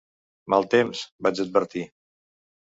Mal temps!, vaig advertir.